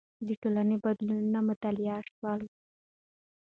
د ټولنې بدلونونه مطالعه شول.